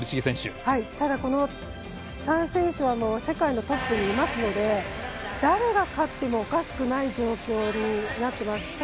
ただ、この３選手は世界のトップにいますので誰が勝ってもおかしくない状況になってます。